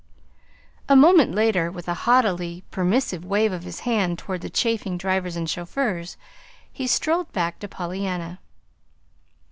A moment later, with a haughtily permissive wave of his hand toward the chafing drivers and chauffeurs, he strolled back to Pollyanna.